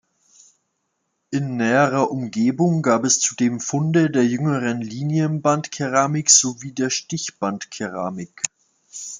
In näherer Umgebung gab es zudem Funde der jüngeren Linienbandkeramik sowie der Stichbandkeramik.